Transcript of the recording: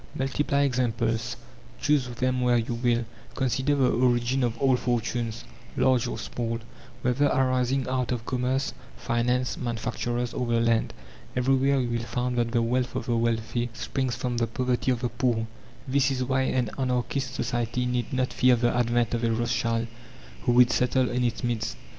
Multiply examples, choose them where you will, consider the origin of all fortunes, large or small, whether arising out of commerce, finance, manufacturers, or the land. Everywhere you will find that the wealth of the wealthy springs from the poverty of the poor. This is why an anarchist society need not fear the advent of a Rothschild who would settle in its midst.